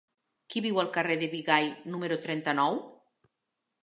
Qui viu al carrer de Bigai número trenta-nou?